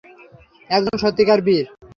একজন সত্যিকারের বীর।